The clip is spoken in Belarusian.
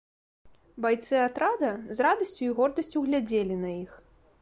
Байцы атрада з радасцю і гордасцю глядзелі на іх.